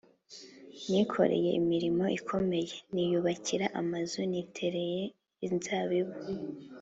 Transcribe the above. Nikoreye imirimo ikomeye, niyubakiye amazu, nitereye inzabibu